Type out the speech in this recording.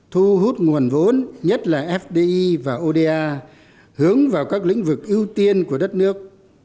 thu hút nguồn vốn nhất là fdi và oda hướng vào các lĩnh vực ưu tiên của đất nước